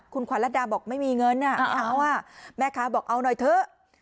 คุณขวัญรัฐดาบอกไม่มีเงินไม่เอาอ่ะแม่ค้าบอกเอาหน่อยเถอะ